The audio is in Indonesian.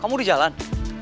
kamu udah jalan